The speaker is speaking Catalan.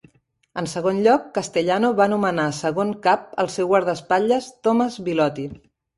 En segon lloc, Castellano va nomenar segon cap el seu guardaespatlles Thomas Bilotti.